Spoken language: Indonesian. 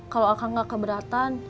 kalau akang gak keberatan